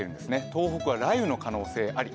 東北は雷雨の可能性あり。